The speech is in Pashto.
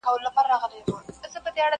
o راستي کمي نه لري٫